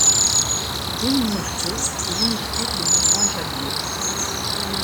Ruy-Montceau est limitrophe de Bourgoin-Jallieu.